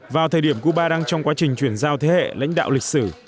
vào thời điểm cuba đang trong quá trình chuyển giao thế hệ lãnh đạo lịch sử